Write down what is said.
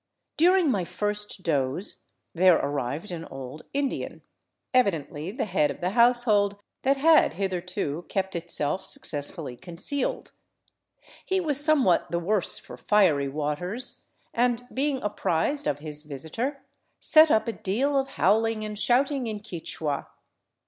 During my first doze there arrived an old Indian, evidently the head of the household that had hitherto kept itself successfully concealed. He was somewhat the worse for fiery waters and, being apprized of his visitor, set up a deal of howling and shouting in Quichua.